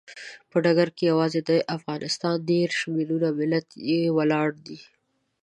په ډګر کې یوازې د افغانستان دیرش ملیوني ملت ولاړ دی.